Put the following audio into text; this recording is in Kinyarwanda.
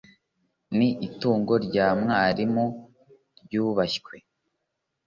Ni itungo rya mwarimu ryubashywe